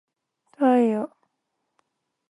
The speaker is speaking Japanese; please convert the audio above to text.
太陽